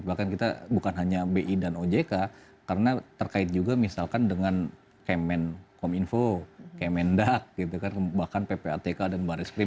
bahkan kita bukan hanya bi dan ojk karena terkait juga misalkan dengan kemen kom info kemen dak gitu kan bahkan ppatk dan baris krim